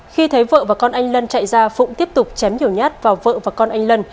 khi thấy vợ và con anh lân chạy ra phụng tiếp tục chém nhiều nhát vào vợ và con anh lân